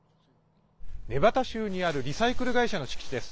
ネバダ州にあるリサイクル会社の敷地です。